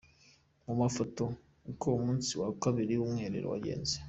Mu mafoto: Uko umunsi wa Kabiri w’Umwiherero wagenze.